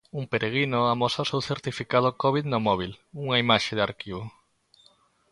Un peregrino amosa o seu certificado Covid no móbil, nunha imaxe de arquivo.